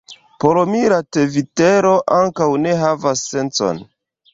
Por mi la Tvitero ankaŭ ne havas sencon.